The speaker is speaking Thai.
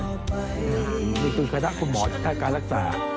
อ๋ออันนี้คือขนาดคุณหมอธ่าการรักษา